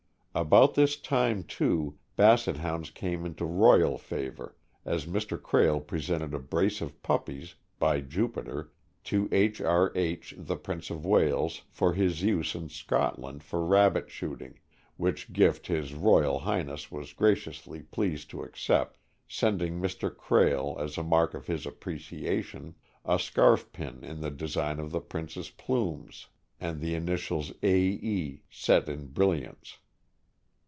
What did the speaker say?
About this time, too, Basset Hounds came into royal favor, as Mr. Krehl presented a brace of puppies — by Jupiter — to H. R. H. the Prince of Wales for his use in Scotland for rabbit shooting, which gift His Royal High ness was graciously pleased to accept, sending Mr. Krehl, as a mark of his appreciation, a scarf pin in the design of the Prince's Plumes, and the initials "A. E." set in brill iants.